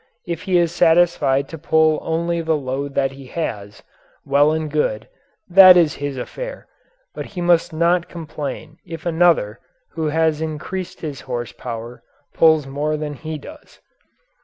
If he is satisfied to pull only the load that he has, well and good, that is his affair but he must not complain if another who has increased his horsepower pulls more than he does.